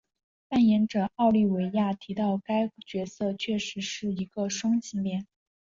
扮演者奥利维亚提到该角色确实是一个双性恋。